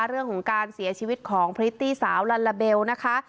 เรื่องของการเสียชีวิตของพริตตี้สาวลัลลาเบลนะคะ